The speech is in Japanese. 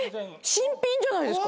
新品じゃないですか。